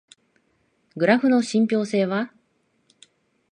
グラフの信憑性は？